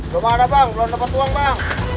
belum ada bang belum dapat uang bang